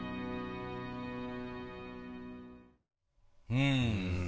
うん。